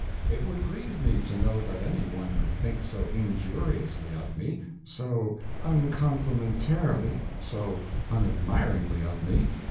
It would grieve me to know that any one could think so injuriously of me, so uncomplimentarily, so unadmiringly of me.